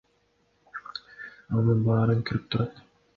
Ал мунун баарын көрүп турат.